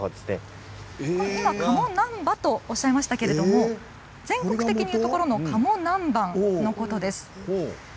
今、鴨なんばとおっしゃいましたけれども全国的に言うところの鴨南蛮のことです。